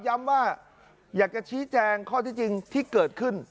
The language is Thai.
ย้ำว่าอยากจะชี้แจงข้อที่จริงที่เกิดขึ้น